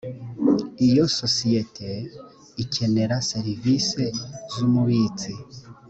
iyo sosiyete ikenera serivisi z umubitsi